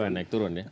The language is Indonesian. naik turun ya